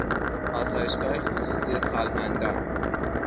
آسایشگاه خصوصی سالمندان